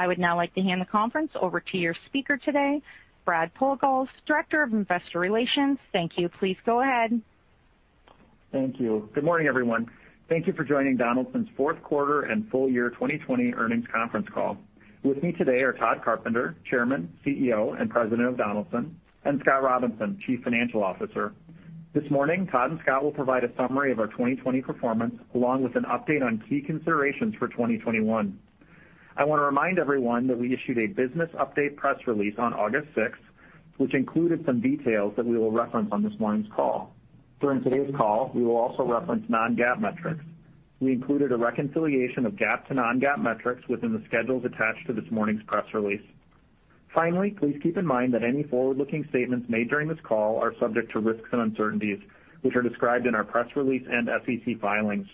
I would now like to hand the conference over to your speaker today, Brad Pogalz, Director of Investor Relations. Thank you. Please go ahead. Thank you. Good morning, everyone. Thank you for joining Donaldson's fourth quarter and full year 2020 earnings conference call. With me today are Tod Carpenter, Chairman, CEO, and President of Donaldson, and Scott Robinson, Chief Financial Officer. This morning, Tod and Scott will provide a summary of our 2020 performance, along with an update on key considerations for 2021. I want to remind everyone that we issued a business update press release on August 6th, which included some details that we will reference on this morning's call. During today's call, we will also reference non-GAAP metrics. We included a reconciliation of GAAP to non-GAAP metrics within the schedules attached to this morning's press release. Finally, please keep in mind that any forward-looking statements made during this call are subject to risks and uncertainties, which are described in our press release and SEC filings.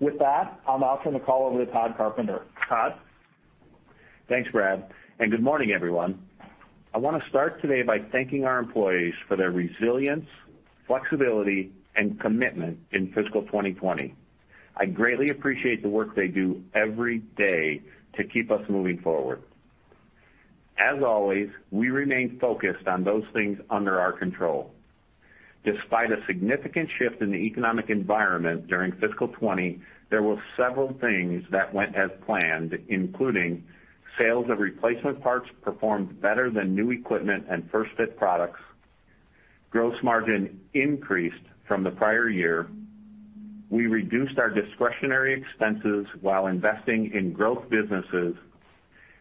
With that, I'll now turn the call over to Tod Carpenter. Tod? Thanks, Brad. Good morning, everyone. I want to start today by thanking our employees for their resilience, flexibility, and commitment in fiscal 2020. I greatly appreciate the work they do every day to keep us moving forward. As always, we remain focused on those things under our control. Despite a significant shift in the economic environment during fiscal 2020, there were several things that went as planned, including sales of replacement parts performed better than new equipment and first-fit products, gross margin increased from the prior year, we reduced our discretionary expenses while investing in growth businesses,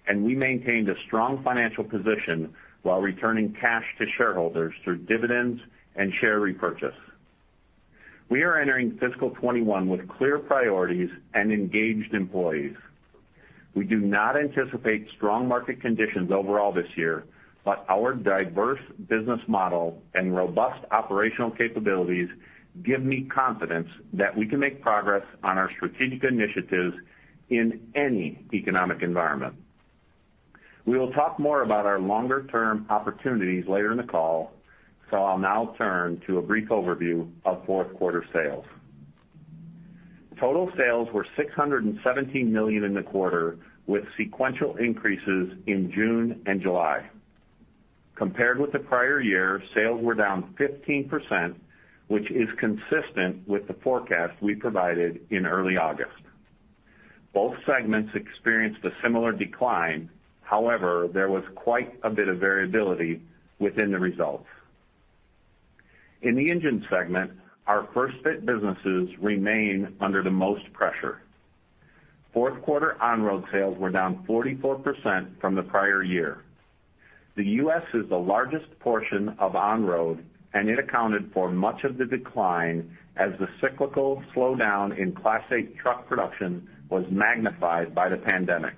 and we maintained a strong financial position while returning cash to shareholders through dividends and share repurchase. We are entering fiscal 2021 with clear priorities and engaged employees. We do not anticipate strong market conditions overall this year, but our diverse business model and robust operational capabilities give me confidence that we can make progress on our strategic initiatives in any economic environment. We will talk more about our longer-term opportunities later in the call, so I'll now turn to a brief overview of fourth-quarter sales. Total sales were $617 million in the quarter, with sequential increases in June and July. Compared with the prior year, sales were down 15%, which is consistent with the forecast we provided in early August. Both segments experienced a similar decline. However, there was quite a bit of variability within the results. In the Engine segment, our first-fit businesses remain under the most pressure. Fourth quarter on-road sales were down 44% from the prior year. The U.S. is the largest portion of on-road. It accounted for much of the decline as the cyclical slowdown in Class 8 truck production was magnified by the pandemic.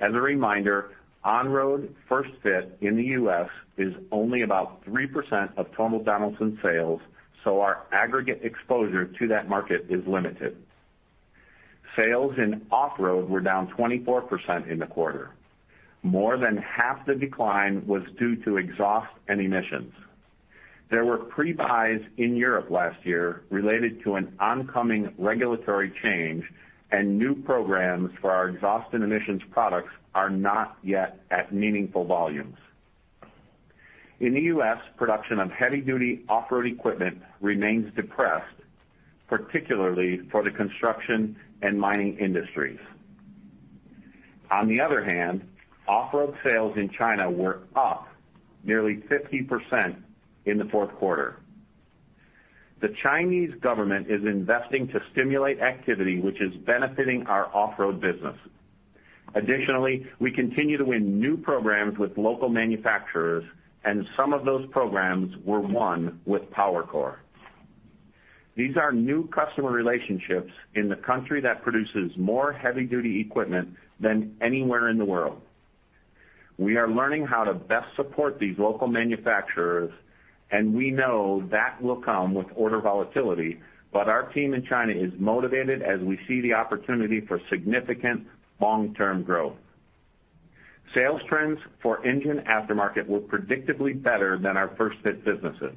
As a reminder, on-road first-fit in the U.S. is only about 3% of total Donaldson sales. Our aggregate exposure to that market is limited. Sales in off-road were down 24% in the quarter. More than half the decline was due to exhaust and emissions. There were pre-buys in Europe last year related to an oncoming regulatory change. New programs for our exhaust and emissions products are not yet at meaningful volumes. In the U.S., production of heavy-duty off-road equipment remains depressed, particularly for the construction and mining industries. On the other hand, off-road sales in China were up nearly 50% in the fourth quarter. The Chinese government is investing to stimulate activity, which is benefiting our off-road business. Additionally, we continue to win new programs with local manufacturers, and some of those programs were won with PowerCore. These are new customer relationships in the country that produces more heavy-duty equipment than anywhere in the world. We are learning how to best support these local manufacturers. We know that will come with order volatility. Our team in China is motivated as we see the opportunity for significant long-term growth. Sales trends for Engine aftermarket were predictably better than our first-fit businesses.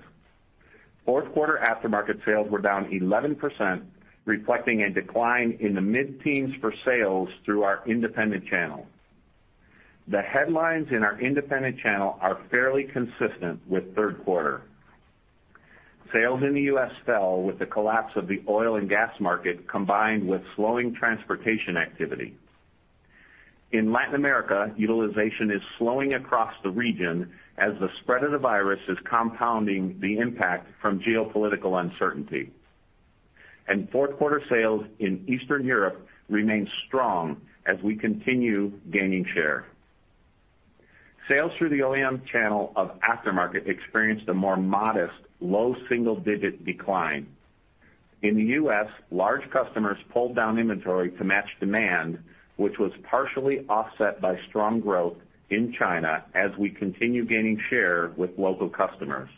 Fourth quarter aftermarket sales were down 11%, reflecting a decline in the mid-teens for sales through our independent channel. The headlines in our independent channel are fairly consistent with third quarter. Sales in the U.S. fell with the collapse of the oil and gas market, combined with slowing transportation activity. In Latin America, utilization is slowing across the region as the spread of the virus is compounding the impact from geopolitical uncertainty. Fourth quarter sales in Eastern Europe remain strong as we continue gaining share. Sales through the OEM channel of aftermarket experienced a more modest, low single-digit decline. In the U.S., large customers pulled down inventory to match demand, which was partially offset by strong growth in China as we continue gaining share with local customers.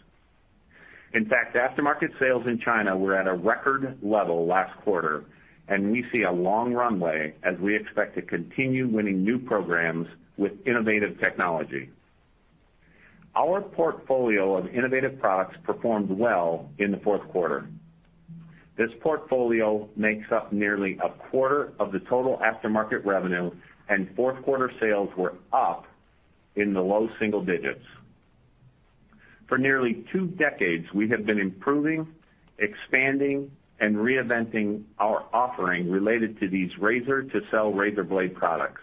In fact, aftermarket sales in China were at a record level last quarter, and we see a long runway as we expect to continue winning new programs with innovative technology. Our portfolio of innovative products performed well in the fourth quarter. This portfolio makes up nearly a quarter of the total aftermarket revenue, and fourth-quarter sales were up in the low single digits. For nearly two decades, we have been improving, expanding, and reinventing our offering related to these razor to sell razor blade products.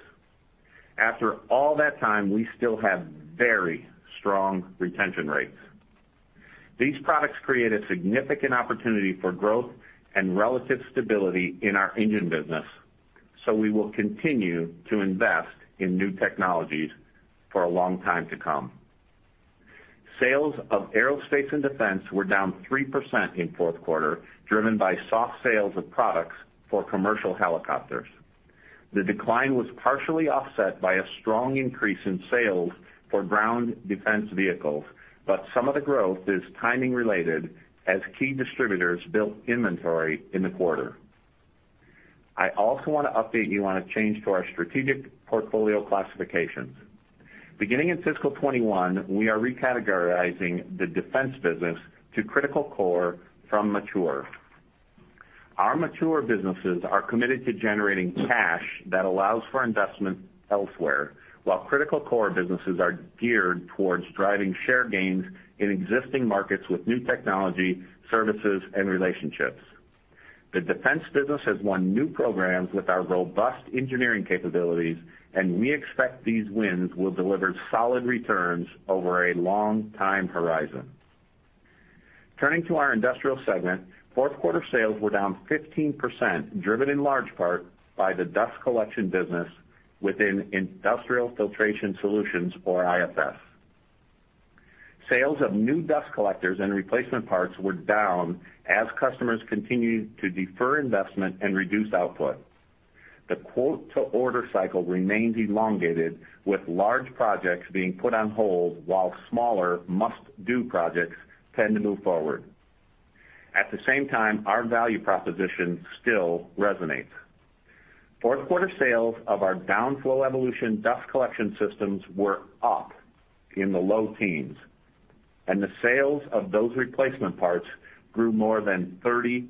After all that time, we still have very strong retention rates. We will continue to invest in new technologies for a long time to come. Sales of aerospace and defense were down 3% in fourth quarter, driven by soft sales of products for commercial helicopters. The decline was partially offset by a strong increase in sales for ground defense vehicles, but some of the growth is timing-related as key distributors built inventory in the quarter. I also want to update you on a change to our strategic portfolio classifications. Beginning in fiscal 2021, we are recategorizing the defense business to critical core from mature. Our mature businesses are committed to generating cash that allows for investment elsewhere, while critical core businesses are geared towards driving share gains in existing markets with new technology, services, and relationships. The defense business has won new programs with our robust engineering capabilities, and we expect these wins will deliver solid returns over a long time horizon. Turning to our Industrial segment, fourth quarter sales were down 15%, driven in large part by the dust collection business within Industrial Filtration Solutions, or IFS. Sales of new dust collectors and replacement parts were down as customers continued to defer investment and reduce output. The quote to order cycle remains elongated, with large projects being put on hold while smaller must-do projects tend to move forward. At the same time, our value proposition still resonates. Fourth quarter sales of our Downflo Evolution dust collection systems were up in the low teens. The sales of those replacement parts grew more than 30%.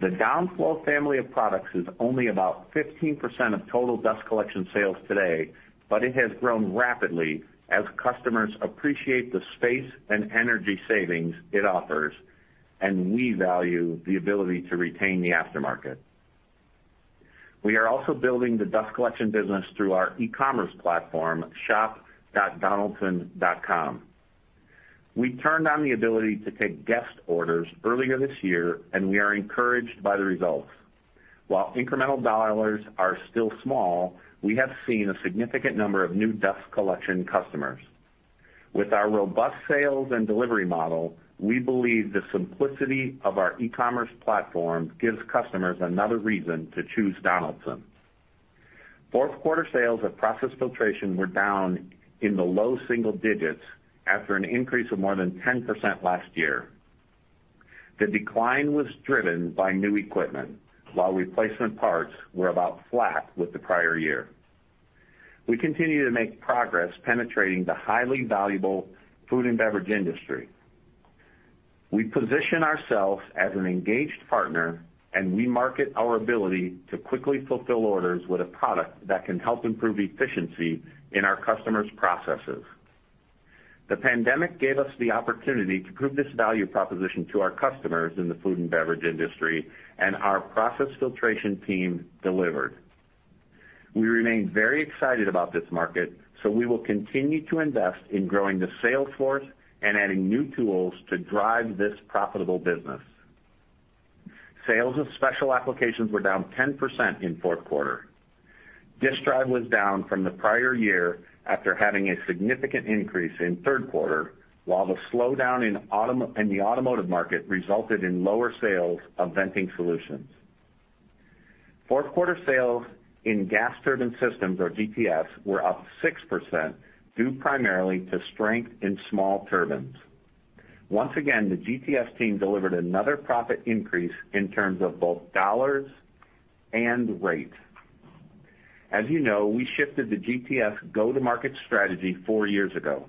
The Downflo family of products is only about 15% of total dust collection sales today. It has grown rapidly as customers appreciate the space and energy savings it offers. We value the ability to retain the aftermarket. We are also building the dust collection business through our e-commerce platform, shop.donaldson.com. We turned on the ability to take guest orders earlier this year. We are encouraged by the results. While incremental dollars are still small, we have seen a significant number of new dust collection customers. With our robust sales and delivery model, we believe the simplicity of our e-commerce platform gives customers another reason to choose Donaldson. Fourth quarter sales of Process Filtration were down in the low single digits after an increase of more than 10% last year. The decline was driven by new equipment, while replacement parts were about flat with the prior year. We continue to make progress penetrating the highly valuable food and beverage industry. We position ourselves as an engaged partner, and we market our ability to quickly fulfill orders with a product that can help improve efficiency in our customers' processes. The pandemic gave us the opportunity to prove this value proposition to our customers in the food and beverage industry, and our Process Filtration team delivered. We remain very excited about this market, so we will continue to invest in growing the sales force and adding new tools to drive this profitable business. Sales of special applications were down 10% in fourth quarter. Disc drive was down from the prior year after having a significant increase in third quarter, while the slowdown in the automotive market resulted in lower sales of venting solutions. Fourth quarter sales in Gas Turbine Systems, or GTS, were up 6%, due primarily to strength in small turbines. Once again, the GTS team delivered another profit increase in terms of both dollars and rate. As you know, we shifted the GTS go-to-market strategy four years ago.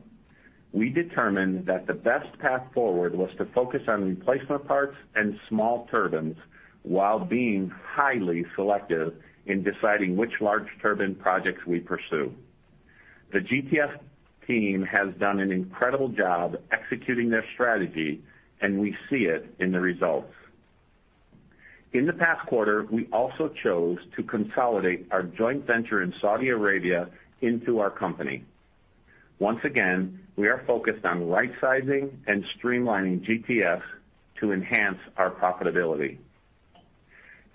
We determined that the best path forward was to focus on replacement parts and small turbines while being highly selective in deciding which large turbine projects we pursue. The GTS team has done an incredible job executing their strategy, and we see it in the results. In the past quarter, we also chose to consolidate our joint venture in Saudi Arabia into our company. Once again, we are focused on rightsizing and streamlining GTS to enhance our profitability.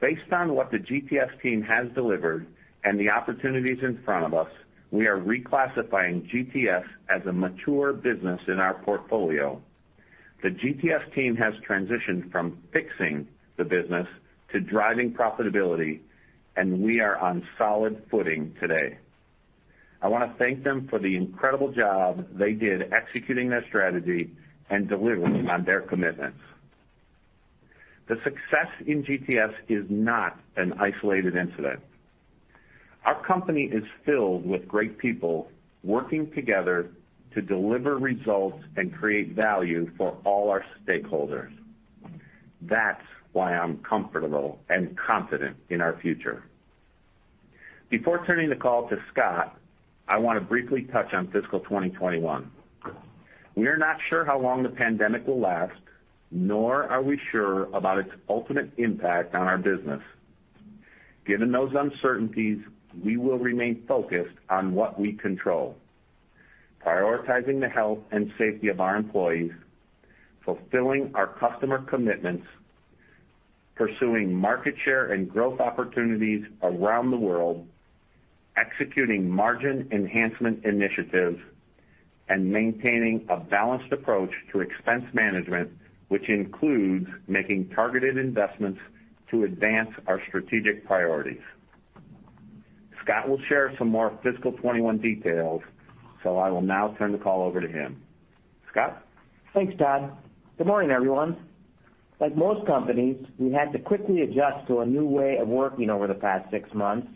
Based on what the GTS team has delivered and the opportunities in front of us, we are reclassifying GTS as a mature business in our portfolio. The GTS team has transitioned from fixing the business to driving profitability, and we are on solid footing today. I want to thank them for the incredible job they did executing their strategy and delivering on their commitments. The success in GTS is not an isolated incident. Our company is filled with great people working together to deliver results and create value for all our stakeholders. That's why I'm comfortable and confident in our future. Before turning the call to Scott, I want to briefly touch on fiscal 2021. We're not sure how long the pandemic will last, nor are we sure about its ultimate impact on our business. Given those uncertainties, we will remain focused on what we control, prioritizing the health and safety of our employees, fulfilling our customer commitments, pursuing market share and growth opportunities around the world, executing margin enhancement initiatives, and maintaining a balanced approach to expense management, which includes making targeted investments to advance our strategic priorities. Scott will share some more fiscal 2021 details. I will now turn the call over to him. Scott? Thanks, Tod. Good morning, everyone. Like most companies, we had to quickly adjust to a new way of working over the past six months,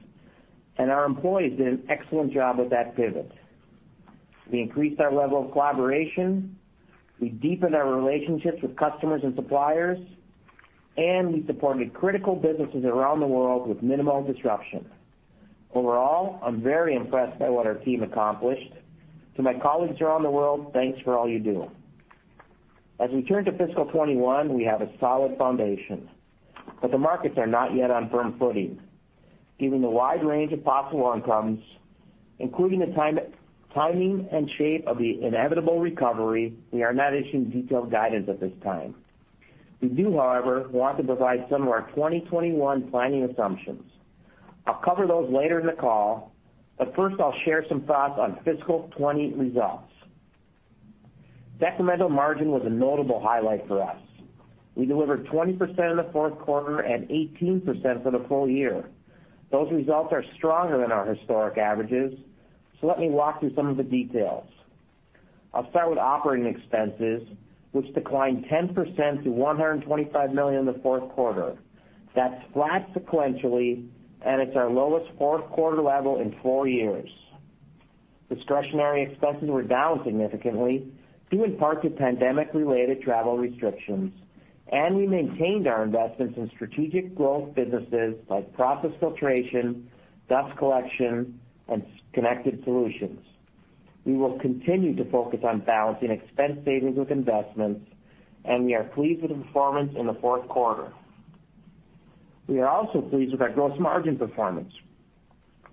and our employees did an excellent job with that pivot. We increased our level of collaboration, we deepened our relationships with customers and suppliers, and we supported critical businesses around the world with minimal disruption. Overall, I'm very impressed by what our team accomplished. To my colleagues around the world, thanks for all you do. As we turn to fiscal 2021, we have a solid foundation, but the markets are not yet on firm footing. Given the wide range of possible outcomes, including the timing and shape of the inevitable recovery, we are not issuing detailed guidance at this time. We do, however, want to provide some of our 2021 planning assumptions. I'll cover those later in the call. First, I'll share some thoughts on fiscal 2020 results. Segmental margin was a notable highlight for us. We delivered 20% in the fourth quarter and 18% for the full year. Those results are stronger than our historic averages. Let me walk through some of the details. I'll start with operating expenses, which declined 10% to $125 million in the fourth quarter. That's flat sequentially. It's our lowest fourth-quarter level in four years. Discretionary expenses were down significantly, due in part to pandemic-related travel restrictions. We maintained our investments in strategic growth businesses like Process Filtration, dust collection, and Connected Solutions. We will continue to focus on balancing expense savings with investments. We are pleased with the performance in the fourth quarter. We are also pleased with our gross margin performance.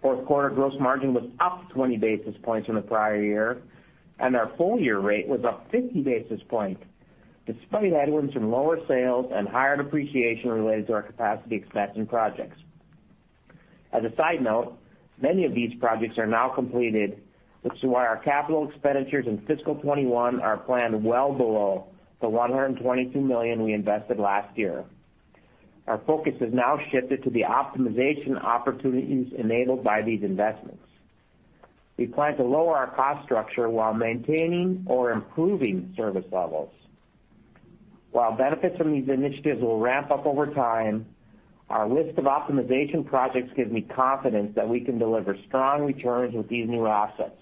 Fourth quarter gross margin was up 20 basis points from the prior year, and our full-year rate was up 50 basis points, despite headwinds from lower sales and higher depreciation related to our capacity expansion projects. As a side note, many of these projects are now completed, which is why our capital expenditures in fiscal 2021 are planned well below the $122 million we invested last year. Our focus has now shifted to the optimization opportunities enabled by these investments. We plan to lower our cost structure while maintaining or improving service levels. While benefits from these initiatives will ramp up over time, our list of optimization projects gives me confidence that we can deliver strong returns with these new assets.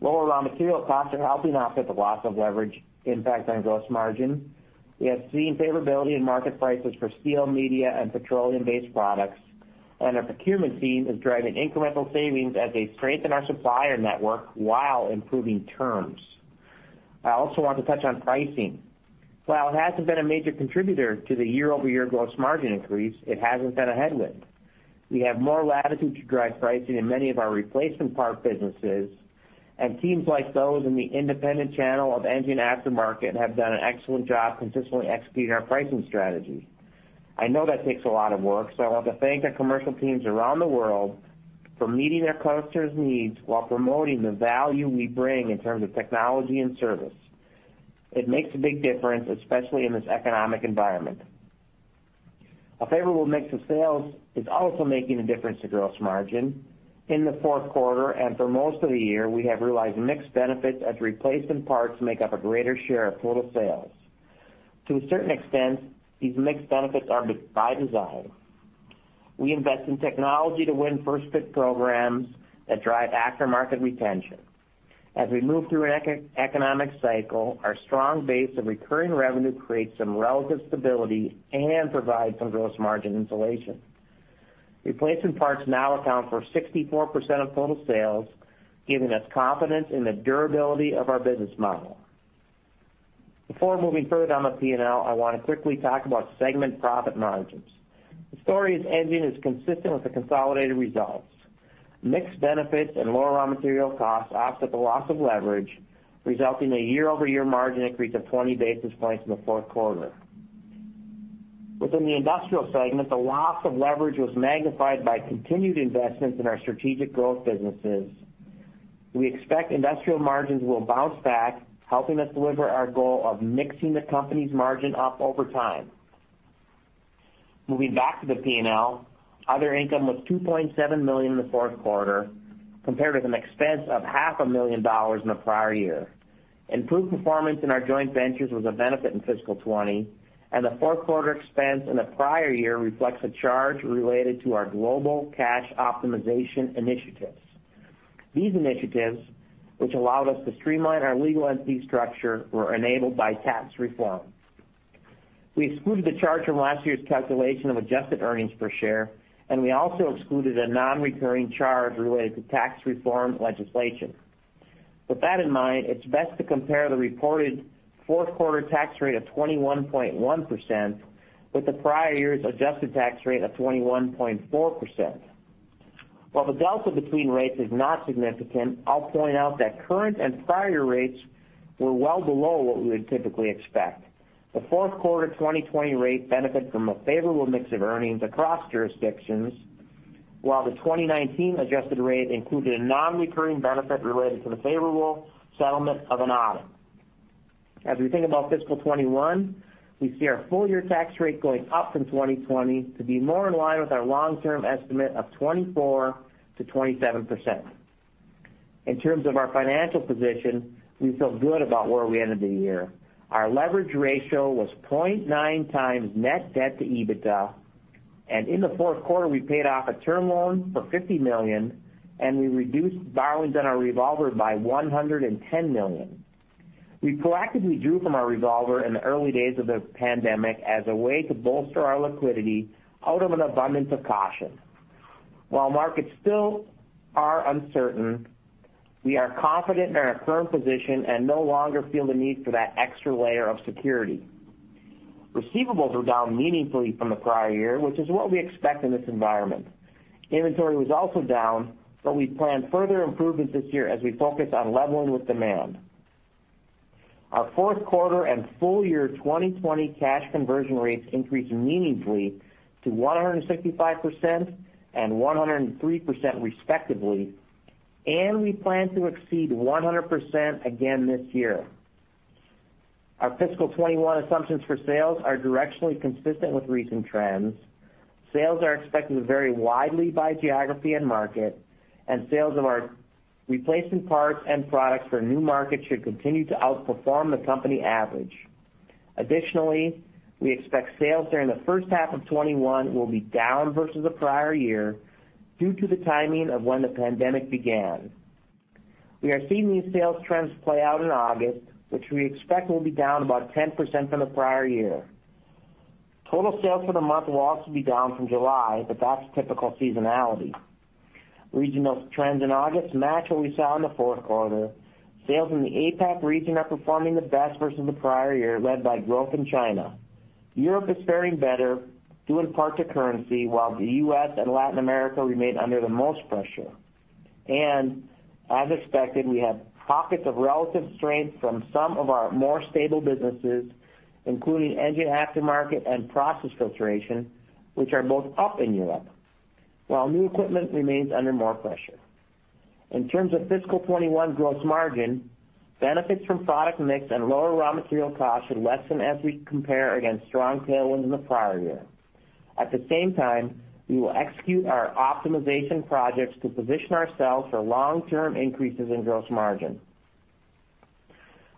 Lower raw material costs are helping offset the loss of leverage impact on gross margin. We have seen favorability in market prices for steel, media, and petroleum-based products, and our procurement team is driving incremental savings as they strengthen our supplier network while improving terms. I also want to touch on pricing. While it hasn't been a major contributor to the year-over-year gross margin increase, it hasn't been a headwind. We have more latitude to drive pricing in many of our replacement part businesses, and teams like those in the independent channel of Engine aftermarket have done an excellent job consistently executing our pricing strategy. I know that takes a lot of work, so I want to thank the commercial teams around the world for meeting their customers' needs while promoting the value we bring in terms of technology and service. It makes a big difference, especially in this economic environment. A favorable mix of sales is also making a difference to gross margin. In the fourth quarter and for most of the year, we have realized mixed benefits as replacement parts make up a greater share of total sales. To a certain extent, these mixed benefits are by design. We invest in technology to win first-fit programs that drive aftermarket retention. As we move through an economic cycle, our strong base of recurring revenue creates some relative stability and provides some gross margin insulation. Replacement parts now account for 64% of total sales, giving us confidence in the durability of our business model. Before moving further down the P&L, I want to quickly talk about segment profit margins. The story in Engine is consistent with the consolidated results. Mixed benefits and lower raw material costs offset the loss of leverage, resulting in a year-over-year margin increase of 20 basis points in the fourth quarter. Within the Industrial segment, the loss of leverage was magnified by continued investments in our strategic growth businesses. We expect Industrial margins will bounce back, helping us deliver our goal of mixing the company's margin up over time. Moving back to the P&L, other income was $2.7 million in the fourth quarter, compared with an expense of $500,000 in the prior year. Improved performance in our joint ventures was a benefit in fiscal 2020, and the fourth quarter expense in the prior year reflects a charge related to our global cash optimization initiatives. These initiatives, which allowed us to streamline our legal entity structure, were enabled by tax reform. We excluded the charge from last year's calculation of adjusted earnings per share, and we also excluded a non-recurring charge related to tax reform legislation. With that in mind, it's best to compare the reported fourth quarter tax rate of 21.1% with the prior year's adjusted tax rate of 21.4%. While the delta between rates is not significant, I'll point out that current and prior rates were well below what we would typically expect. The fourth quarter 2020 rate benefited from a favorable mix of earnings across jurisdictions, while the 2019 adjusted rate included a non-recurring benefit related to the favorable settlement of an audit. As we think about fiscal 2021, we see our full-year tax rate going up in 2020 to be more in line with our long-term estimate of 24%-27%. In terms of our financial position, we feel good about where we ended the year. Our leverage ratio was 0.9x net debt to EBITDA, and in the fourth quarter, we paid off a term loan for $50 million, and we reduced borrowings on our revolver by $110 million. We proactively drew from our revolver in the early days of the pandemic as a way to bolster our liquidity out of an abundance of caution. While markets still are uncertain, we are confident in our firm position and no longer feel the need for that extra layer of security. Receivables are down meaningfully from the prior year, which is what we expect in this environment. Inventory was also down, but we plan further improvements this year as we focus on leveling with demand. Our fourth quarter and full year 2020 cash conversion rates increased meaningfully to 165% and 103%, respectively, and we plan to exceed 100% again this year. Our fiscal 2021 assumptions for sales are directionally consistent with recent trends. Sales are expected to vary widely by geography and market, and sales of our replacement parts and products for new markets should continue to outperform the company average. Additionally, we expect sales during the first half of 2021 will be down versus the prior year due to the timing of when the pandemic began. We are seeing these sales trends play out in August, which we expect will be down about 10% from the prior year. Total sales for the month will also be down from July; that's typical seasonality. Regional trends in August match what we saw in the fourth quarter. Sales in the APAC region are performing the best versus the prior year, led by growth in China. Europe is faring better due in part to currency, while the U.S. and Latin America remain under the most pressure. As expected, we have pockets of relative strength from some of our more stable businesses, including Engine aftermarket and Process Filtration, which are both up in Europe, while new equipment remains under more pressure. In terms of fiscal 2021 gross margin, benefits from product mix and lower raw material costs should lessen as we compare against strong tailwinds in the prior year. At the same time, we will execute our optimization projects to position ourselves for long-term increases in gross margin.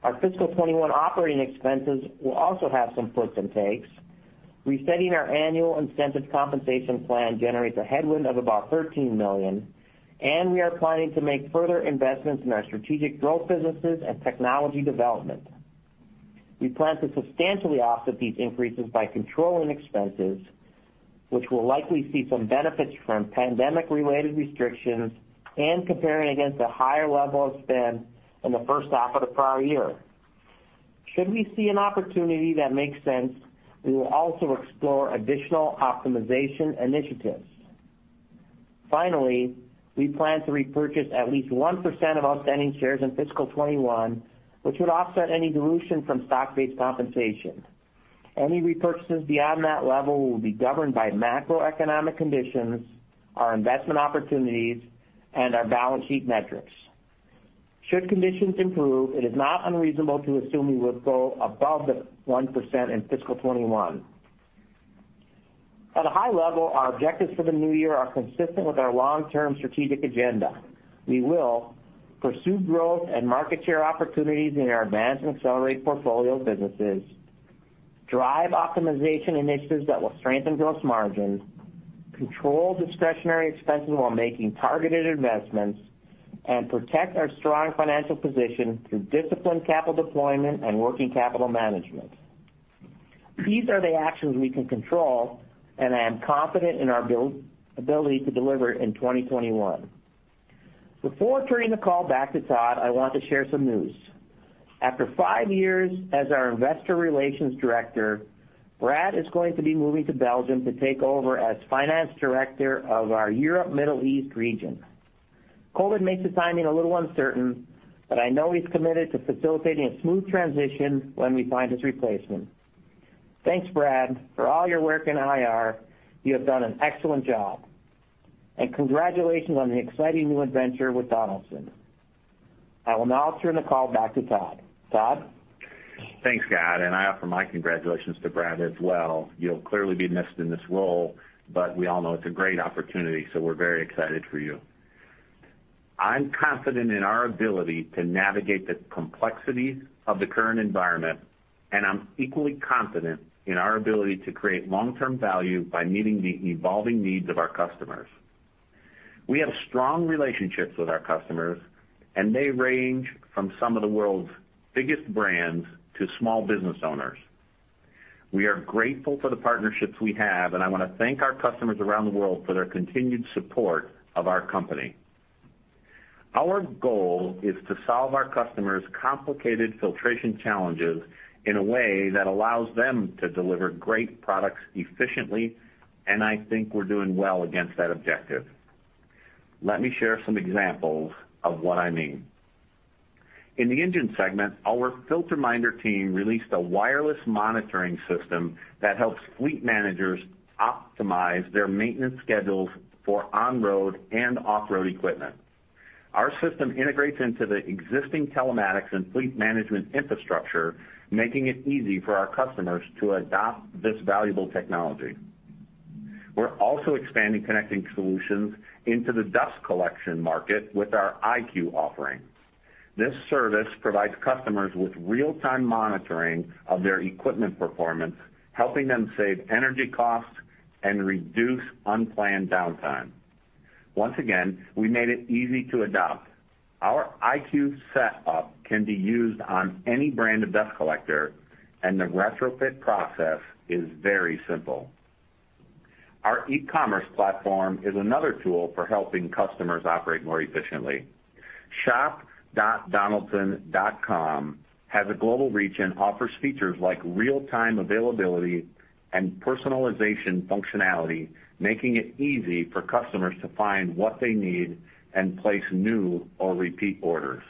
Our fiscal 2021 operating expenses will also have some give-and-takes. Resetting our annual incentive compensation plan generates a headwind of about $13 million, and we are planning to make further investments in our strategic growth businesses and technology development. We plan to substantially offset these increases by controlling expenses, which will likely see some benefits from pandemic-related restrictions and comparing against a higher level of spend in the first half of the prior year. Should we see an opportunity that makes sense, we will also explore additional optimization initiatives. Finally, we plan to repurchase at least 1% of outstanding shares in fiscal 2021, which would offset any dilution from stock-based compensation. Any repurchases beyond that level will be governed by macroeconomic conditions, our investment opportunities, and our balance sheet metrics. Should conditions improve, it is not unreasonable to assume we would go above the 1% in fiscal 2021. At a high level, our objectives for the new year are consistent with our long-term strategic agenda. We will pursue growth and market share opportunities in our advanced and accelerated portfolio of businesses, drive optimization initiatives that will strengthen gross margin, control discretionary expenses while making targeted investments, and protect our strong financial position through disciplined capital deployment and working capital management. These are the actions we can control. I am confident in our ability to deliver in 2021. Before turning the call back to Tod, I want to share some news. After five years as our investor relations director, Brad is going to be moving to Belgium to take over as finance director of our Europe Middle East region. COVID makes the timing a little uncertain. I know he's committed to facilitating a smooth transition when we find his replacement. Thanks, Brad, for all your work in IR. You have done an excellent job. Congratulations on the exciting new adventure with Donaldson. I will now turn the call back to Tod. Tod? Thanks, Scott. I offer my congratulations to Brad as well. You'll clearly be missed in this role. We all know it's a great opportunity. We're very excited for you. I'm confident in our ability to navigate the complexities of the current environment. I'm equally confident in our ability to create long-term value by meeting the evolving needs of our customers. We have strong relationships with our customers. They range from some of the world's biggest brands to small business owners. We are grateful for the partnerships we have. I want to thank our customers around the world for their continued support of our company. Our goal is to solve our customers' complicated filtration challenges in a way that allows them to deliver great products efficiently. I think we're doing well against that objective. Let me share some examples of what I mean. In the Engine segment, our Filter Minder team released a wireless monitoring system that helps fleet managers optimize their maintenance schedules for on-road and off-road equipment. Our system integrates into the existing telematics and fleet management infrastructure, making it easy for our customers to adopt this valuable technology. We're also expanding Connected Solutions into the dust collection market with our iCue offering. This service provides customers with real-time monitoring of their equipment performance, helping them save energy costs and reduce unplanned downtime. Once again, we made it easy to adopt. Our iCue setup can be used on any brand of dust collector, and the retrofit process is very simple. Our e-commerce platform is another tool for helping customers operate more efficiently. shop.donaldson.com has a global reach and offers features like real-time availability and personalization functionality, making it easy for customers to find what they need and place new or repeat orders.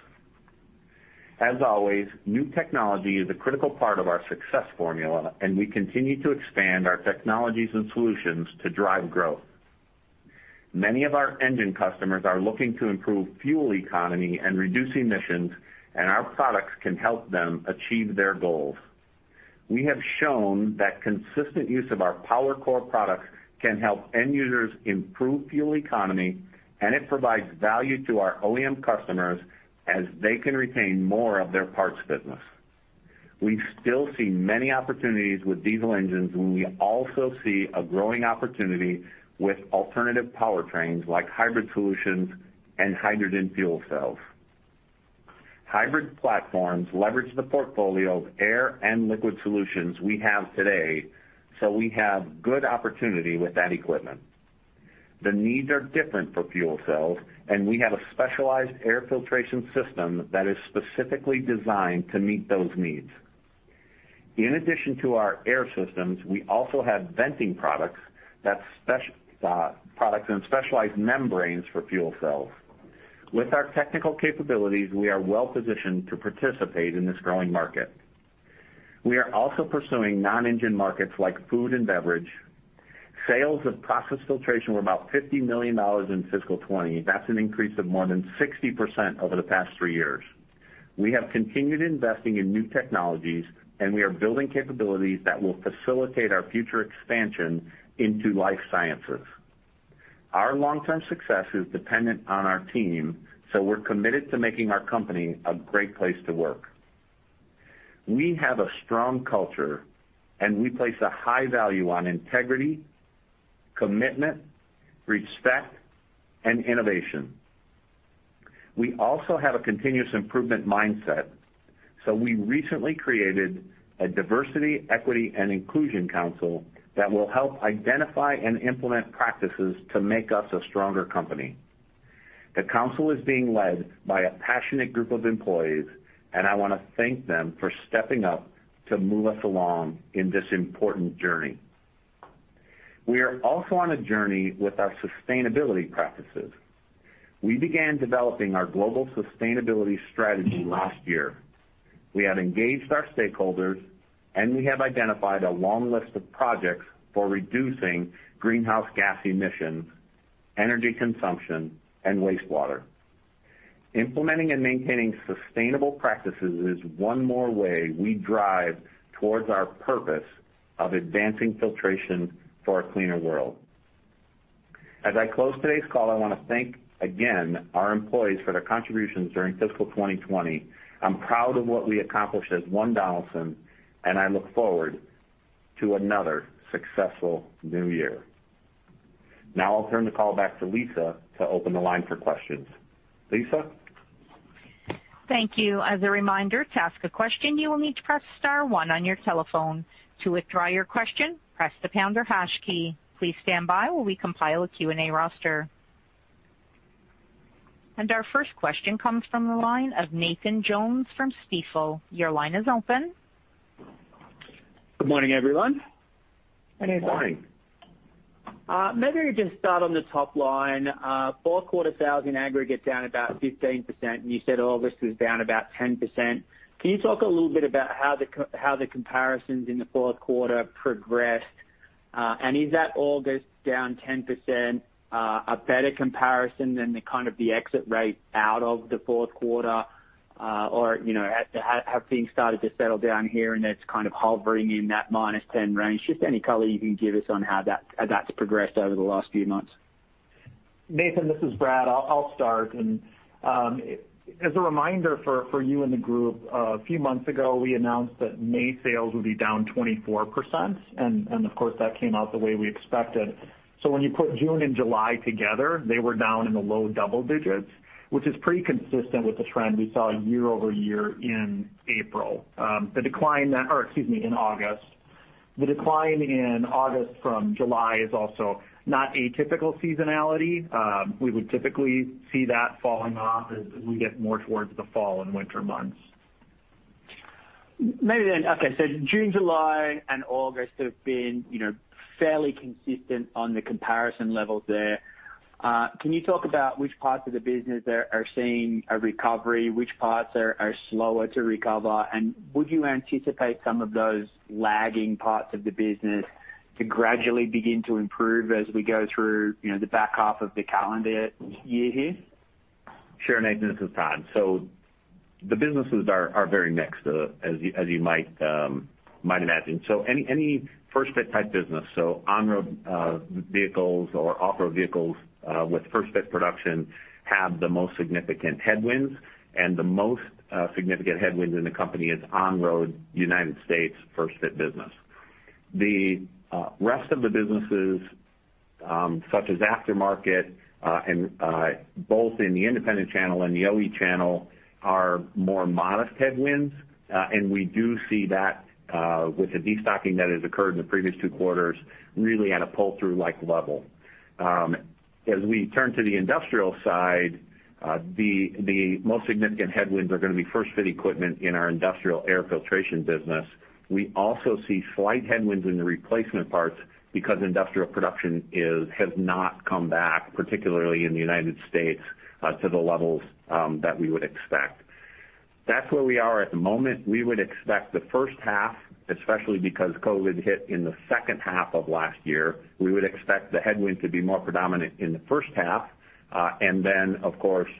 As always, new technology is a critical part of our success formula, and we continue to expand our technologies and solutions to drive growth. Many of our Engine customers are looking to improve fuel economy and reduce emissions, and our products can help them achieve their goals. We have shown that consistent use of our PowerCore products can help end users improve fuel economy, and it provides value to our OEM customers as they can retain more of their parts business. We still see many opportunities with diesel engines, and we also see a growing opportunity with alternative powertrains like hybrid solutions and hydrogen fuel cells. Hybrid platforms leverage the portfolio of air and liquid solutions we have today, so we have good opportunity with that equipment. The needs are different for fuel cells, and we have a specialized air filtration system that is specifically designed to meet those needs. In addition to our air systems, we also have venting products and specialized membranes for fuel cells. With our technical capabilities, we are well-positioned to participate in this growing market. We are also pursuing non-engine markets like food and beverage. Sales of Process Filtration were about $50 million in fiscal 2020. That's an increase of more than 60% over the past three years. We have continued investing in new technologies, and we are building capabilities that will facilitate our future expansion into life sciences. Our long-term success is dependent on our team, so we're committed to making our company a great place to work. We have a strong culture, and we place a high value on integrity, commitment, respect, and innovation. We also have a continuous improvement mindset, so we recently created a diversity, equity, and inclusion council that will help identify and implement practices to make us a stronger company. The council is being led by a passionate group of employees, and I want to thank them for stepping up to move us along in this important journey. We are also on a journey with our sustainability practices. We began developing our global sustainability strategy last year. We have engaged our stakeholders, and we have identified a long list of projects for reducing greenhouse gas emissions, energy consumption, and wastewater. Implementing and maintaining sustainable practices is one more way we drive towards our purpose of advancing filtration for a cleaner world. As I close today's call, I want to thank again our employees for their contributions during fiscal 2020. I'm proud of what we accomplished as one Donaldson, and I look forward to another successful new year. Now I'll turn the call back to Lisa to open the line for questions. Lisa? Thank you. As a reminder, to ask a question, you will need to press star one on your telephone. To withdraw your question, press the pound or hash key. Please stand by while we compile a Q&A roster. Our first question comes from the line of Nathan Jones from Stifel. Your line is open. Good morning, everyone. Good morning. Maybe just start on the top line. Fourth quarter sales in aggregate down about 15%, and you said August was down about 10%. Can you talk a little bit about how the comparisons in the fourth quarter progressed? Is that August down 10% a better comparison than the kind of the exit rate out of the fourth quarter? Have things started to settle down here, and it's kind of hovering in that -10 range? Just any color you can give us on how that's progressed over the last few months. Nathan, this is Brad. I'll start. As a reminder for you and the group, a few months ago, we announced that May sales would be down 24%; of course, that came out the way we expected. When you put June and July together, they were down in the low double digits, which is pretty consistent with the trend we saw year-over-year in April. Or excuse me, in August. The decline in August from July is also not atypical seasonality. We would typically see that falling off as we get more towards the fall and winter months. Okay, June, July, and August have been fairly consistent on the comparison levels there. Can you talk about which parts of the business are seeing a recovery, which parts are slower to recover, and would you anticipate some of those lagging parts of the business to gradually begin to improve as we go through the back half of the calendar year here? Sure, Nathan. This is Tod. The businesses are very mixed, as you might imagine. Any first-fit type business, on-road vehicles or off-road vehicles with first-fit production have the most significant headwinds, and the most significant headwinds in the company is on-road U.S. first-fit business. The rest of the businesses, such as aftermarket, both in the independent channel and the OE channel, are more modest headwinds. We do see that with the destocking that has occurred in the previous two quarters, really at a pull-through-like level. As we turn to the Industrial side, the most significant headwinds are going to be first-fit equipment in our Industrial Air Filtration business. We also see slight headwinds in the replacement parts because Industrial production has not come back, particularly in the U.S., to the levels that we would expect. That's where we are at the moment. We would expect the first half, especially because COVID hit in the second half of last year, we would expect the headwind to be more predominant in the first half. Then, of course,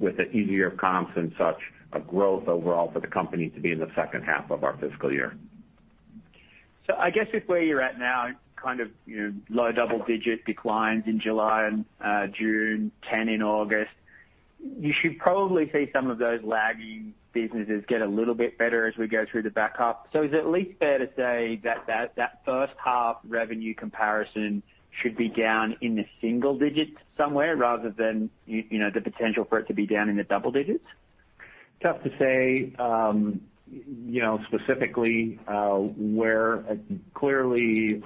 with the easier comps and such, a growth overall for the company to be in the second half of our fiscal year. I guess with where you're at now, kind of low double-digit declines in July and June, 10 in August, you should probably see some of those lagging businesses get a little bit better as we go through the back half. Is it at least fair to say that first half revenue comparison should be down in the single digits somewhere rather than the potential for it to be down in the double digits? Tough to say specifically where. Clearly,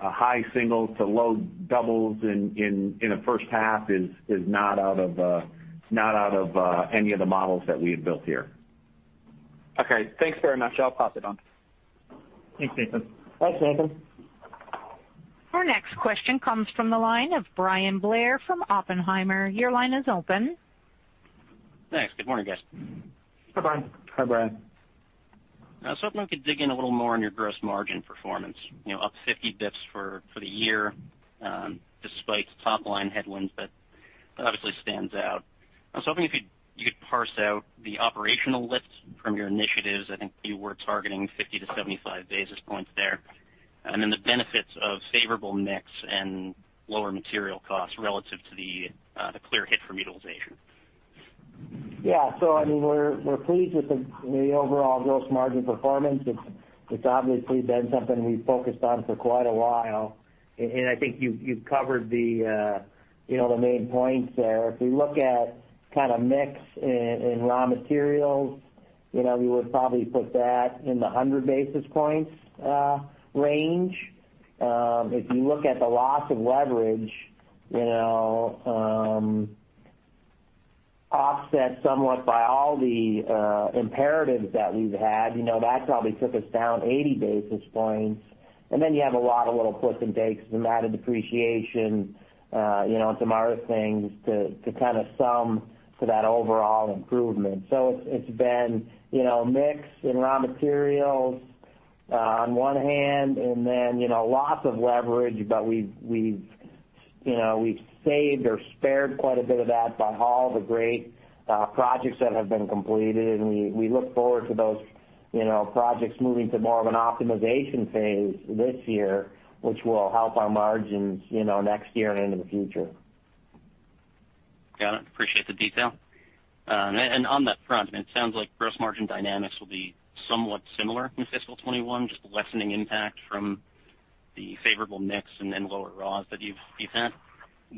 a high single to low doubles in a first half is not out of any of the models that we have built here. Okay. Thanks very much. I'll pass it on. Thanks, Nathan. Thanks, Nathan. Our next question comes from the line of Bryan Blair from Oppenheimer. Your line is open. Thanks. Good morning, guys. Hi, Bryan. Hi, Bryan. I was hoping we could dig in a little more on your gross margin performance. Up 50 basis points for the year, despite top-line headwinds, that obviously stands out. I was hoping if you could parse out the operational lift from your initiatives. I think you were targeting 50 to 75 basis points there. The benefits of favorable mix and lower material costs relative to the clear hit from utilization. We're pleased with the overall gross margin performance. It's obviously been something we've focused on for quite a while. I think you've covered the main points there. If we look at kind of mix in raw materials, we would probably put that in the 100 basis points range. If you look at the loss of leverage, offset somewhat by all the imperatives that we've had, that probably took us down 80 basis points. Then you have a lot of little puts and takes in the net depreciation, some other things to kind of sum to that overall improvement. It's been mix and raw materials on one hand, and then lots of leverage, but we've saved or spared quite a bit of that by all the great projects that have been completed, and we look forward to those projects moving to more of an optimization phase this year, which will help our margins next year and into the future. Got it. Appreciate the detail. On that front, it sounds like gross margin dynamics will be somewhat similar in fiscal 2021, just lessening impact from the favorable mix and then lower raws that you've had.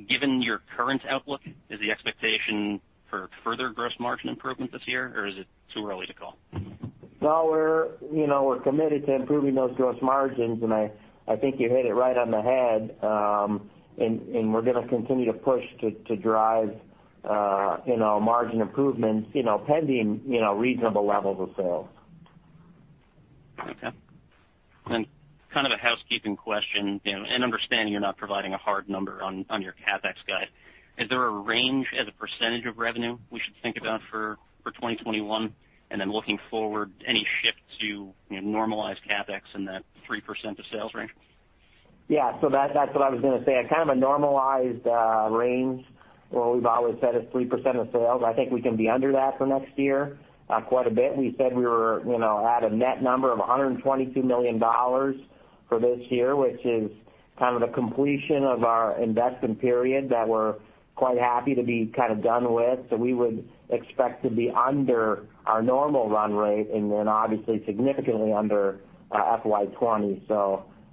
Given your current outlook, is the expectation for further gross margin improvement this year, or is it too early to call? No, we're committed to improving those gross margins, and I think you hit it right on the head. We're going to continue to push to drive margin improvements pending reasonable levels of sales. Okay. Kind of a housekeeping question, and understanding you're not providing a hard number on your CapEx guide. Is there a range as a percentage of revenue we should think about for 2021? Then, looking forward, any shift to normalized CapEx in that 3% of sales range? That's what I was going to say, kind of a normalized range where we've always said it's 3% of sales. I think we can be under that for next year quite a bit. We said we were at a net number of $122 million for this year, which is kind of the completion of our investment period that we're quite happy to be kind of done with. We would expect to be under our normal run rate and then obviously significantly under FY 2020.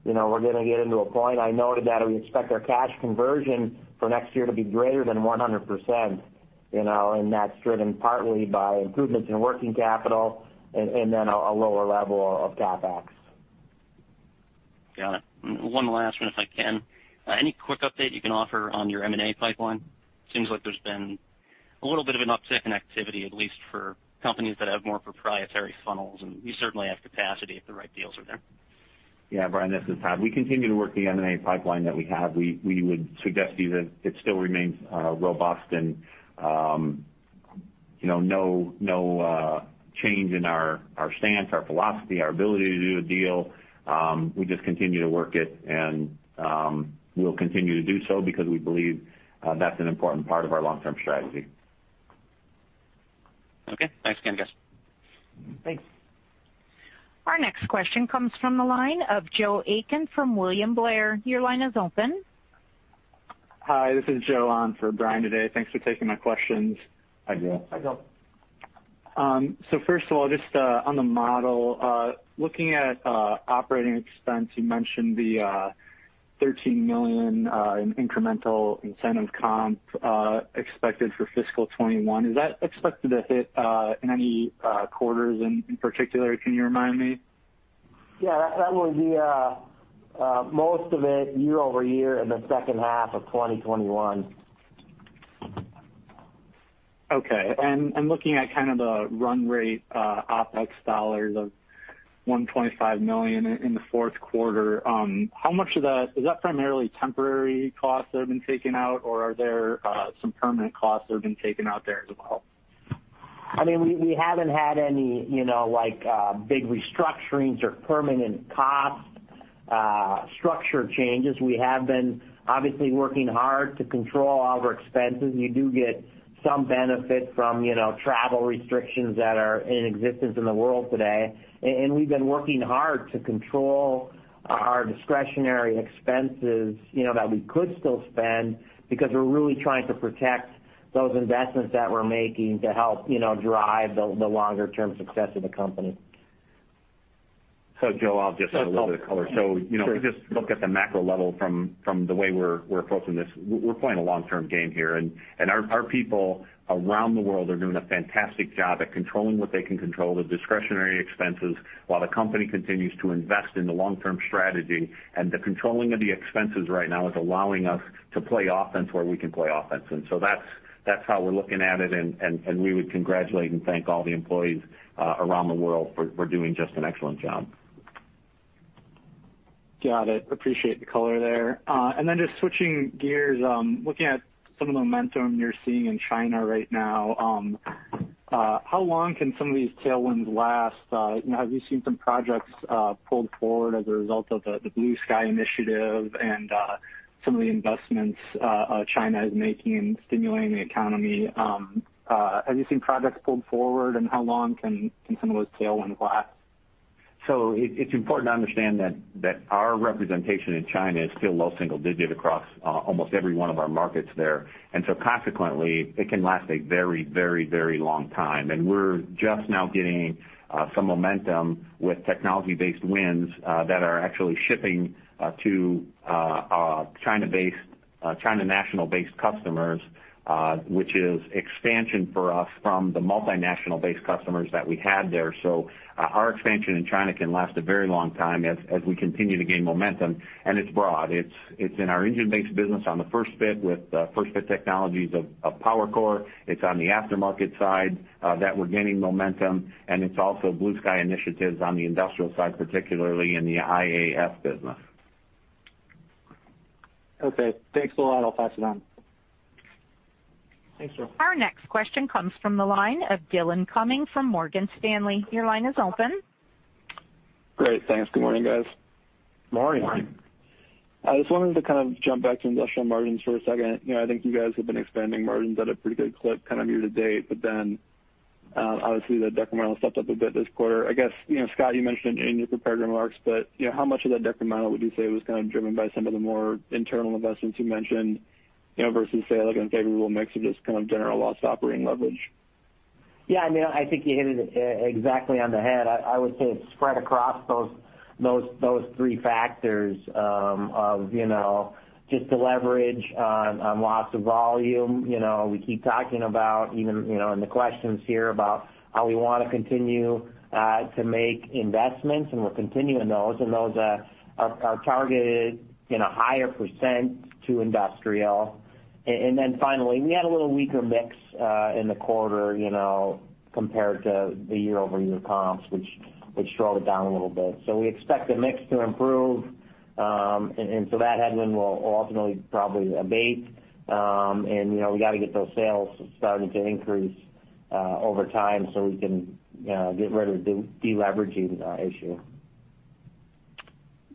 We're going to get into a point. I noted that we expect our cash conversion for next year to be greater than 100%, and that's driven partly by improvements in working capital and then a lower level of CapEx. Got it. One last one, if I can. Any quick update you can offer on your M&A pipeline? Seems like there's been a little bit of an uptick in activity, at least for companies that have more proprietary funnels, and you certainly have capacity if the right deals are there. Yeah, Bryan, this is Tod. We continue to work the M&A pipeline that we have. We would suggest to you that it still remains robust and no change in our stance, our philosophy, our ability to do a deal. We just continue to work it, and we'll continue to do so because we believe that's an important part of our long-term strategy. Okay. Thanks again, guys. Thanks. Our next question comes from the line of Joe Aiken from William Blair. Your line is open. Hi, this is Joe on for Brian today. Thanks for taking my questions. Hi, Joe. Hi, Joe. First of all, just on the model, looking at OpEx, you mentioned the $13 million in incremental incentive comp expected for fiscal 2021. Is that expected to hit in any quarters in particular? Can you remind me? Yeah. That would be most of it year-over-year in the second half of 2021. Okay. Looking at kind of the run rate OpEx dollars of $125 million in the fourth quarter, is that primarily temporary costs that have been taken out, or are there some permanent costs that have been taken out there as well? We haven't had any big restructurings or permanent cost structure changes. We have been obviously working hard to control all of our expenses. You do get some benefit from travel restrictions that are in existence in the world today. We've been working hard to control our discretionary expenses that we could still spend because we're really trying to protect those investments that we're making to help drive the longer-term success of the company. Joe, I'll just add a little bit of color. If you just look at the macro level from the way we're approaching this, we're playing a long-term game here, and our people around the world are doing a fantastic job at controlling what they can control, the discretionary expenses, while the company continues to invest in the long-term strategy. The controlling of the expenses right now is allowing us to play offense where we can play offense. That's how we're looking at it, and we would congratulate and thank all the employees around the world for doing just an excellent job. Got it. Appreciate the color there. Just switching gears, looking at some of the momentum you're seeing in China right now. How long can some of these tailwinds last? Have you seen some projects pulled forward as a result of the Blue Sky Initiative and some of the investments China is making in stimulating the economy? Have you seen projects pulled forward, and how long can some of those tailwinds last? It's important to understand that our representation in China is still low single digit across almost every one of our markets there. Consequently, it can last a very long time. We're just now getting some momentum with technology-based wins that are actually shipping to China national-based customers, which is expansion for us from the multinational-based customers that we had there. Our expansion in China can last a very long time as we continue to gain momentum. It's broad. It's in our engine-based business on the first fit with first fit technologies of PowerCore. It's on the aftermarket side that we're gaining momentum, and it's also Blue Sky initiatives on the Industrial side, particularly in the IAF business. Okay. Thanks a lot. I'll pass it on. Thanks, Joe. Our next question comes from the line of Dillon Cumming from Morgan Stanley. Your line is open. Great. Thanks. Good morning, guys. Morning. Morning. I just wanted to kind of jump back to Industrial margins for a second. I think you guys have been expanding margins at a pretty good clip kind of year to date. Obviously, the decremental margin stepped up a bit this quarter. I guess, Scott, you mentioned in your prepared remarks how much of that decremental margin would you say was kind of driven by some of the more internal investments you mentioned versus, say, like an unfavorable mix of just kind of general loss operating leverage? Yeah. I think you hit it exactly on the head. I would say it's spread across those three factors of just the leverage on loss of volume. We keep talking about even in the questions here about how we want to continue to make investments, and we're continuing those, and those are targeted in a higher percent to Industrial. Finally, we had a little weaker mix in the quarter compared to the year-over-year comps, which slowed it down a little bit. We expect the mix to improve. That headwind will ultimately probably abate. We got to get those sales starting to increase over time, so we can get rid of the de-leveraging issue.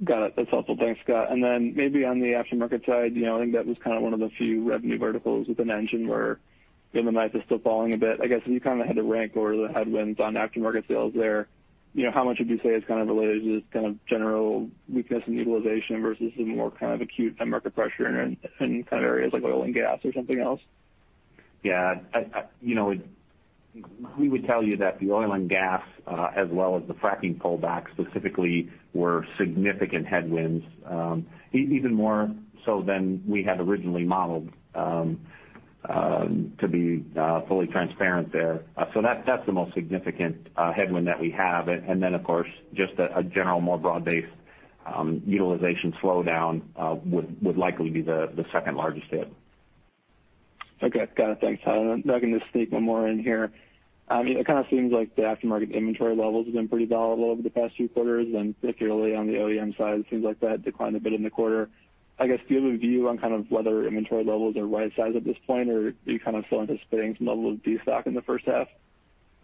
Got it. That's helpful. Thanks, Scott. Then maybe on the aftermarket side, I think that was one of the few revenue verticals within Engine where the knife is still falling a bit. I guess if you had to rank order the headwinds on aftermarket sales there, how much would you say is related to just general weakness in utilization versus the more acute end market pressure in areas like oil and gas or something else? Yeah. We would tell you that the oil and gas, as well as the fracking pullback specifically, were significant headwinds, even more so than we had originally modeled. To be fully transparent there. That's the most significant headwind that we have. Of course, just a general, more broad-based utilization slowdown would likely be the second largest hit. Okay. Got it. Thanks, Tod. If I can just sneak one more in here. It seems like the aftermarket inventory levels have been pretty volatile over the past few quarters, and particularly on the OEM side, it seems like that declined a bit in the quarter. I guess, do you have a view on whether inventory levels are the right size at this point, or are you still anticipating some level of de-stock in the first half?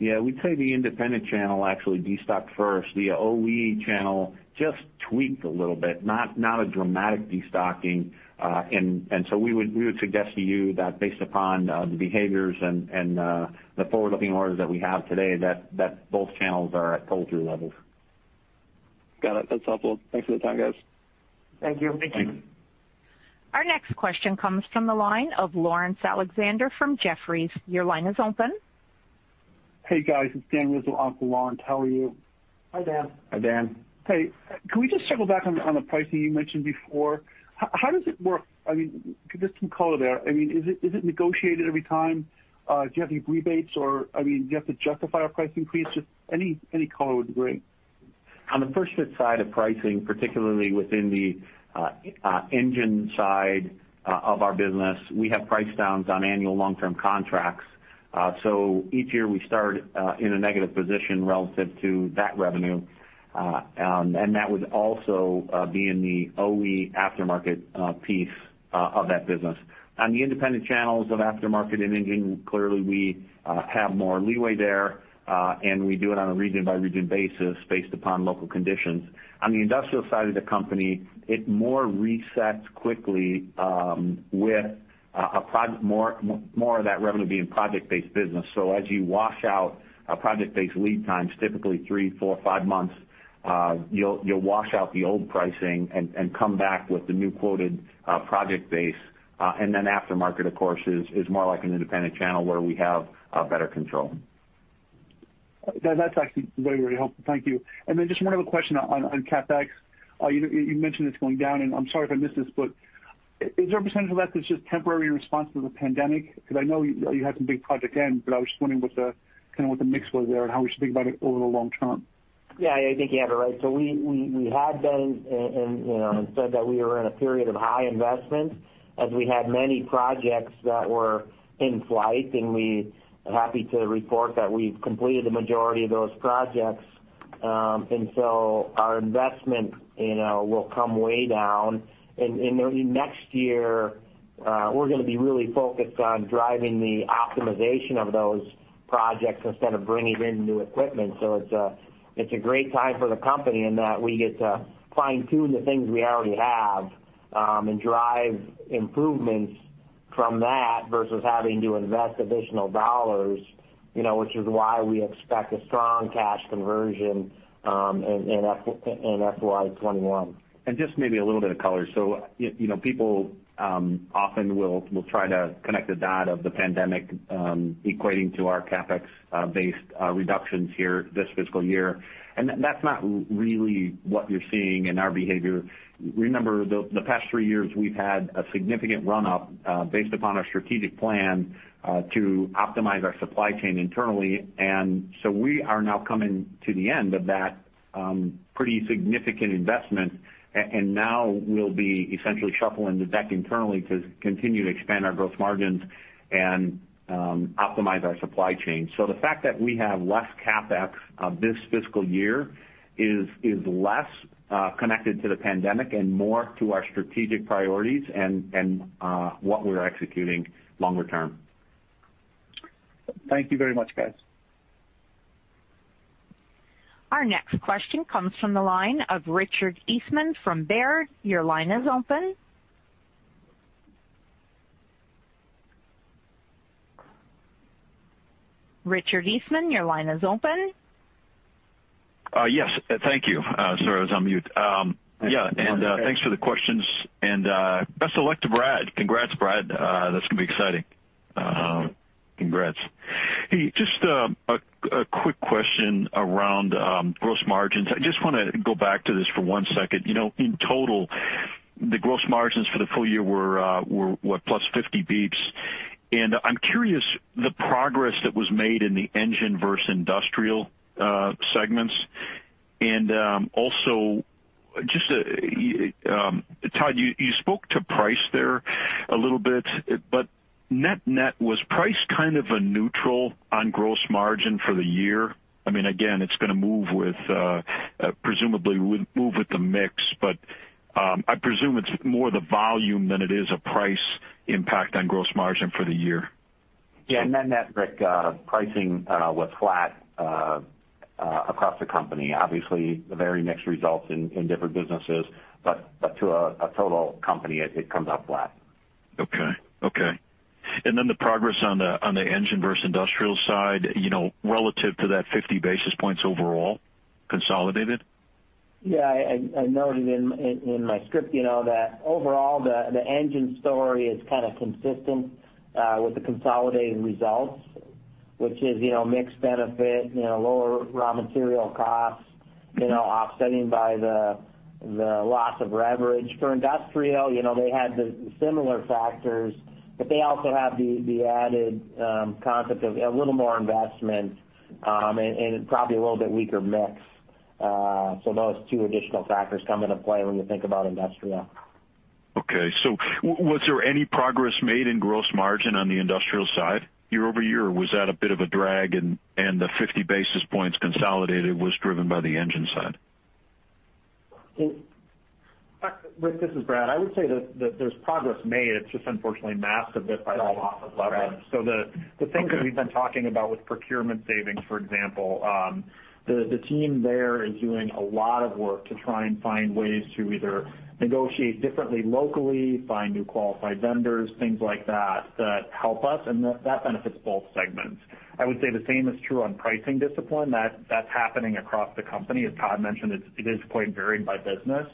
Yeah, we'd say the independent channel actually de-stocked first. The OE channel just tweaked a little bit, not a dramatic de-stocking. We would suggest to you that, based upon the behaviors and the forward-looking orders that we have today, that both channels are at pull-through levels. Got it. That's helpful. Thanks for the time, guys. Thank you. Thank you. Our next question comes from the line of Laurence Alexander from Jefferies. Your line is open. Hey, guys. It's Dan Rizzo on for Laurence. How are you? Hi, Dan. Hi, Dan. Hey, can we just circle back on the pricing you mentioned before? How does it work? Give some color there. Is it negotiated every time? Do you have any rebates, or do you have to justify a price increase? Just any color would be great. On the first fit side of pricing, particularly within the Engine side of our business, we have price downs on annual long-term contracts. Each year, we start in a negative position relative to that revenue. That would also be in the OE aftermarket piece of that business. On the independent channels of aftermarket and Engine, clearly, we have more leeway there, and we do it on a region-by-region basis based upon local conditions. On the Industrial side of the company, it more resets quickly with more of that revenue being project-based business. As you wash out project-based lead times, typically three, four, five months, you'll wash out the old pricing and come back with the new quoted project base. Aftermarket, of course, is more like an independent channel where we have better control. That's actually very helpful. Thank you. Just one other question on CapEx. You mentioned it's going down, and I'm sorry if I missed this, but is there a percentage of that that's just temporary response to the pandemic? I know you had some big project ends, but I was just wondering what the mix was there and how we should think about it over the long term. Yeah, I think you have it right. We had been and said that we were in a period of high investment as we had many projects that were in flight, and we are happy to report that we've completed the majority of those projects. Our investment will come way down. Next year, we're going to be really focused on driving the optimization of those projects instead of bringing in new equipment. It's a great time for the company in that we get to fine-tune the things we already have and drive improvements from that, versus having to invest additional dollars, which is why we expect a strong cash conversion in FY 2021. Just maybe a little bit of color. People often will try to connect the dot of the pandemic equating to our CapEx-based reductions here this fiscal year. That's not really what you're seeing in our behavior. Remember, the past three years, we've had a significant run-up based upon our strategic plan to optimize our supply chain internally. We are now coming to the end of that pretty significant investment, and now we'll be essentially shuffling the deck internally to continue to expand our gross margins and optimize our supply chain. The fact that we have less CapEx this fiscal year is less connected to the pandemic and more to our strategic priorities and what we're executing longer term. Thank you very much, guys. Our next question comes from the line of Richard Eastman from Baird. Your line is open. Richard Eastman, your line is open. Yes. Thank you. Sorry, I was on mute. That's okay. Yeah, thanks for the questions. Best of luck to Brad. Congrats, Brad. That's going to be exciting. Congrats. Hey, just a quick question around gross margins. I just want to go back to this for one second. In total, the gross margins for the full year were, what, +50 bps? I'm curious, the progress that was made in the Engine versus Industrial segments, and also just, Tod, you spoke to price there a little bit, but net-net, was price kind of a neutral on gross margin for the year? Again, it's going to presumably move with the mix. I presume it's more the volume than it is a price impact on gross margin for the year. Yeah. In that metric, pricing was flat across the company. Obviously, very mixed results in different businesses, but to a total company, it comes out flat. Okay. Then the progress on the Engine versus Industrial side, relative to that 50 basis points overall, consolidated? Yeah, I noted in my script that overall, the engine story is kind of consistent with the consolidated results, which is mixed benefit, lower raw material costs, offsetting by the loss of leverage. For Industrial, they had the similar factors, but they also have the added concept of a little more investment, and probably a little bit weaker mix. Those two additional factors come into play when you think about Industrial. Okay. Was there any progress made in gross margin on the Industrial side year-over-year, or was that a bit of a drag and the 50 basis points consolidated was driven by the Engine side? Richard, this is Brad. I would say that there's progress made; it's just unfortunately masked a bit by the loss of leverage. The things that we've been talking about with procurement savings, for example, the team there is doing a lot of work to try and find ways to either negotiate differently locally, find new qualified vendors, things like that help us, and that benefits both segments. I would say the same is true on pricing discipline. That's happening across the company. As Tod mentioned, it is quite varied by business.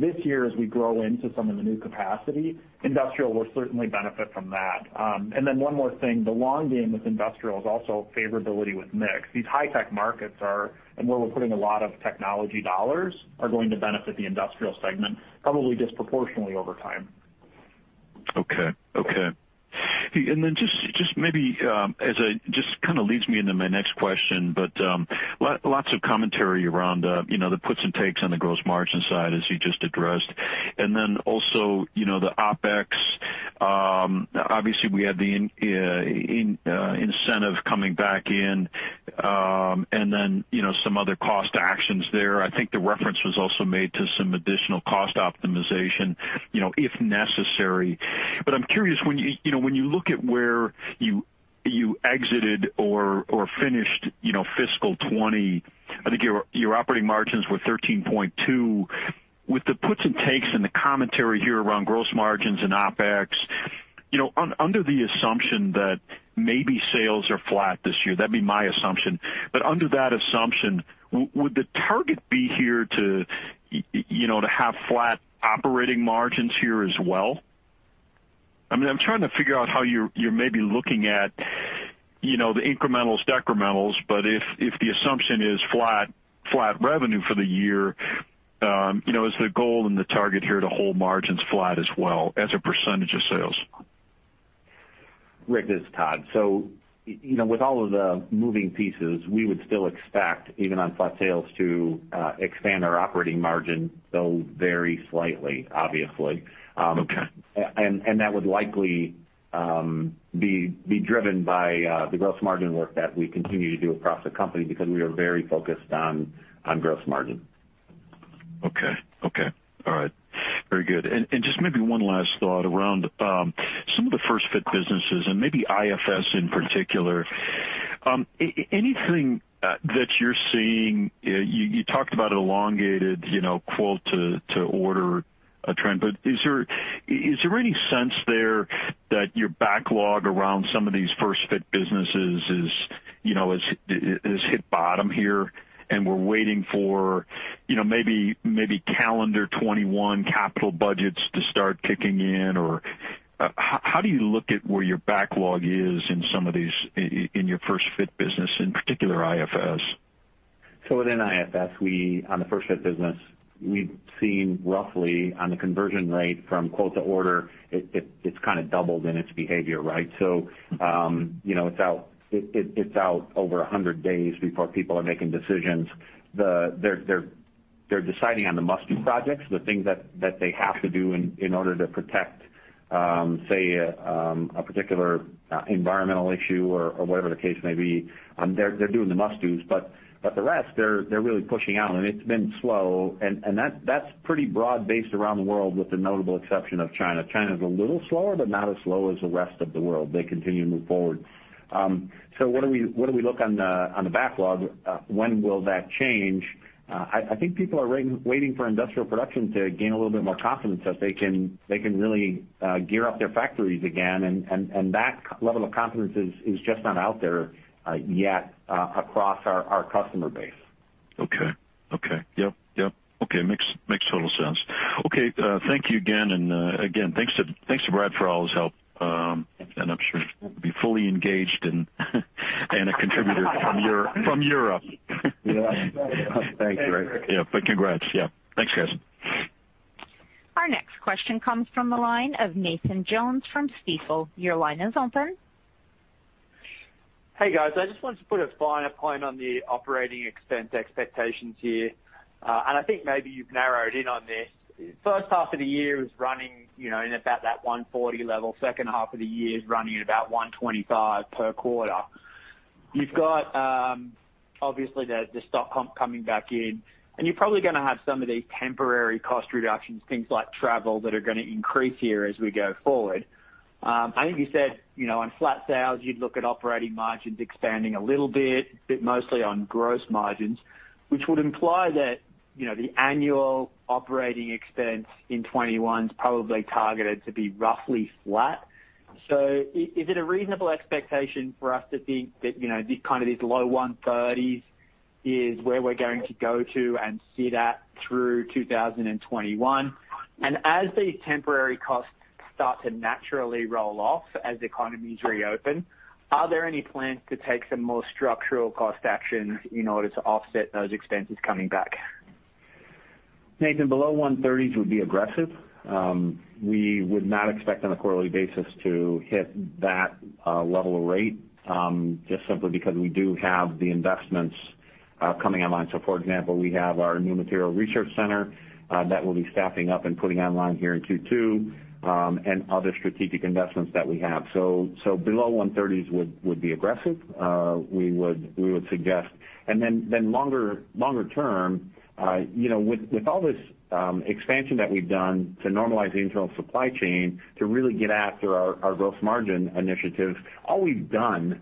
This year, as we grow into some of the new capacity, Industrial will certainly benefit from that. One more thing, the long game with Industrial is also favorability with mix. These high-tech markets are, and where we're putting a lot of technology dollars, are going to benefit the Industrial segment, probably disproportionately over time. Okay. Just maybe, as it just kind of leads me into my next question, lots of commentary around the puts and takes on the gross margin side, as you just addressed. Also, the OpEx. Obviously, we had the incentive coming back in, and then some other cost actions there. I think the reference was also made to some additional cost optimization, if necessary. I'm curious, when you look at where you exited or finished fiscal 2020, I think your operating margins were 13.2%. With the puts and takes and the commentary here around gross margins and OpEx, under the assumption that maybe sales are flat this year, that'd be my assumption. Under that assumption, would the target be here to have flat operating margins here as well? I'm trying to figure out how you're maybe looking at the incrementals, decrementals. If the assumption is flat revenue for the year, is the goal and the target here to hold margins flat as well, as a percent of sales? Rick, this is Tod. With all of the moving pieces, we would still expect, even on flat sales, to expand our operating margin, though very slightly, obviously. Okay. That would likely be driven by the gross margin work that we continue to do across the company because we are very focused on gross margin. Okay. All right. Very good. Just maybe one last thought around some of the first-fit businesses and maybe IFS in particular. Anything that you're seeing? You talked about an elongated quote to order trend, but is there any sense there that your backlog around some of these first-fit businesses has hit bottom here, and we're waiting for maybe calendar 2021 capital budgets to start kicking in? How do you look at where your backlog is in some of these, in your first-fit business, in particular, IFS? Within IFS, on the first-fit business, we've seen roughly on the conversion rate from quote to order. It's kind of doubled in its behavior, right? It's out over 100 days before people are making decisions. They're deciding on the must-do projects, the things that they have to do in order to protect, say, a particular environmental issue or whatever the case may be. They're doing the must-dos. The rest, they're really pushing out, and it's been slow. That's pretty broad-based around the world, with the notable exception of China. China's a little slower, but not as slow as the rest of the world. They continue to move forward. What do we look on the backlog? When will that change? I think people are waiting for Industrial production to gain a little bit more confidence that they can really gear up their factories again, and that level of confidence is just not out there yet across our customer base. Okay. Yep. Okay, makes total sense. Okay. Thank you again, and again, thanks to Brad for all his help. I'm sure he'll be fully engaged in and a contributor from Europe. Yeah. Thanks, Rick. Yeah. Congrats. Yeah. Thanks, guys. Our next question comes from the line of Nathan Jones from Stifel. Your line is open. Hey, guys. I just wanted to put a finer point on the operating expense expectations here. I think maybe you've narrowed in on this. First half of the year is running in about that $140 level. Second half of the year is running at about $125 per quarter. You've got, obviously, the stock comp coming back in, and you're probably going to have some of these temporary cost reductions, things like travel, that are going to increase here as we go forward. I think you said, on flat sales, you'd look at operating margins expanding a little bit, but mostly on gross margins, which would imply that the annual operating expense in 2021 is probably targeted to be roughly flat. Is it a reasonable expectation for us to think that kind of these low $130s is where we're going to go to and see that through 2021? As these temporary costs start to naturally roll off as economies reopen, are there any plans to take some more structural cost actions in order to offset those expenses coming back? Nathan, below 130s would be aggressive. We would not expect on a quarterly basis to hit that level of rate, just simply because we do have the investments coming online. For example, we have our new material research center that we'll be staffing up and putting online here in Q2, and other strategic investments that we have. Below 130s would be aggressive. We would suggest. Longer term, with all this expansion that we've done to normalize the internal supply chain to really get after our gross margin initiatives, all we've done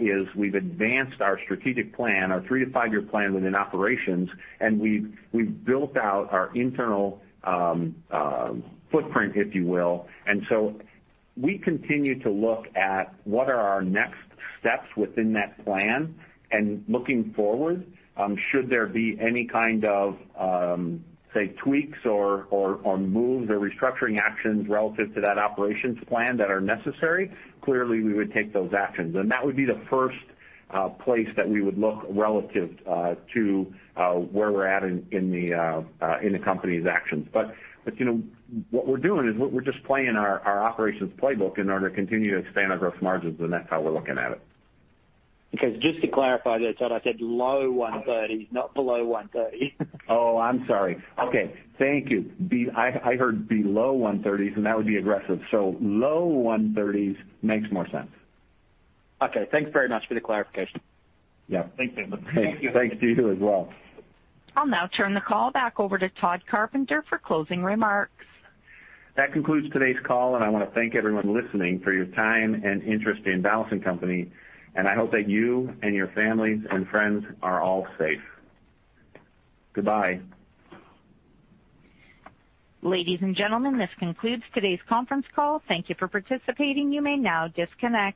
is we've advanced our strategic plan, our three-to five-year plan within operations, and we've built out our internal footprint, if you will. We continue to look at what are our next steps within that plan, and looking forward, should there be any kind of, say, tweaks or moves or restructuring actions relative to that operations plan that are necessary, clearly, we would take those actions. That would be the first place that we would look relative to where we're at in the company's actions. What we're doing is we're just playing our operations playbook in order to continue to expand our gross margins, and that's how we're looking at it. Okay. Just to clarify there, Tod, I said low 130s, not below 130. Oh, I'm sorry. Okay. Thank you. I heard below 130s, and that would be aggressive. Low 130s makes more sense. Okay, thanks very much for the clarification. Yeah. Thanks, Nathan. Thanks to you as well. I'll now turn the call back over to Tod Carpenter for closing remarks. That concludes today's call. I want to thank everyone listening for your time and interest in Donaldson Company. I hope that you and your families and friends are all safe. Goodbye. Ladies and gentlemen, this concludes today's conference call. Thank you for participating. You may now disconnect.